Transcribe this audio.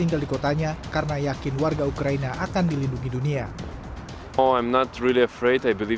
tinggal di kotanya karena yakin warga ukraina akan dilindungi dunia